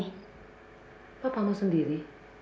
siapa yang menyebar fitnah ini